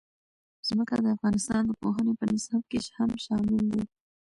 ځمکه د افغانستان د پوهنې په نصاب کې هم شامل دي.